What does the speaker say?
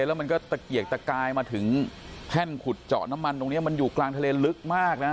แล้วมันก็ตะเกียกตะกายมาถึงแท่นขุดเจาะน้ำมันตรงนี้มันอยู่กลางทะเลลึกมากนะ